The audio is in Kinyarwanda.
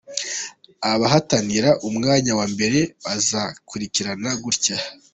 Abahatanira umwanya wa mbere, bazakurikirana gutya:.